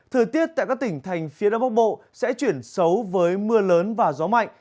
thời tiết tại các tỉnh thành phía đông bắc bộ sẽ chuyển xấu với mưa lớn và gió mạnh